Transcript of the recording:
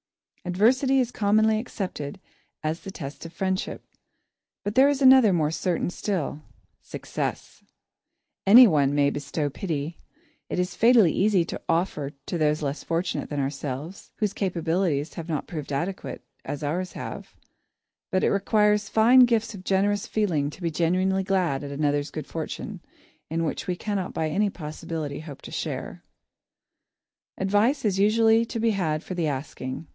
Adversity is commonly accepted as the test of friendship, but there is another more certain still success. Anyone may bestow pity. It is fatally easy to offer to those less fortunate than ourselves; whose capabilities have not proved adequate, as ours have; but it requires fine gifts of generous feeling to be genuinely glad at another's good fortune, in which we cannot by any possibility hope to share. [Sidenote: Advice] Advice is usually to be had for the asking.